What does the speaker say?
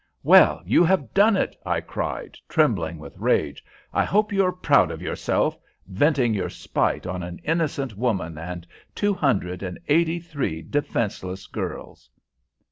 "Well, you have done it," I cried, trembling with rage. "I hope you are proud of yourself, venting your spite on an innocent woman and two hundred and eighty three defenceless girls."